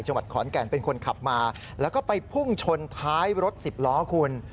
จังหวัดขอนแก่นเป็นคนขับมาแล้วก็ไปพุ่งชนท้ายรถสิบล้อคุณ